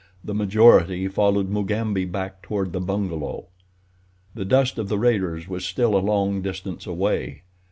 The majority followed Mugambi back toward the bungalow. The dust of the raiders was still a long distance away.